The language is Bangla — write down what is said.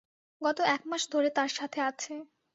গত এক মাস ধরে তার সাথে আছে।